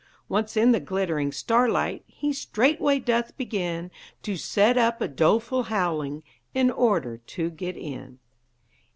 Once in the glittering starlight, He straightway doth begin To set up a doleful howling In order to get in.